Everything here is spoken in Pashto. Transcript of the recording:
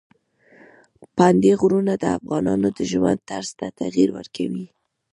پابندي غرونه د افغانانو د ژوند طرز ته تغیر ورکوي.